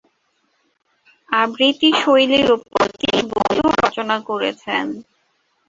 আবৃত্তি শৈলীর উপর তিনি বইও রচনা করেছেন।